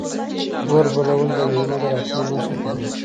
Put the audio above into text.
اور بلول د میلمه د راتلو نښه کیدی شي.